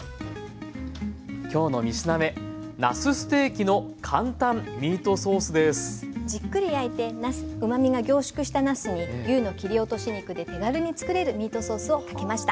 きょうの３品目じっくり焼いてうまみが凝縮したなすに牛の切り落とし肉で手軽に作れるミートソースをかけました。